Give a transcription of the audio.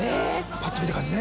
パッと見た感じね。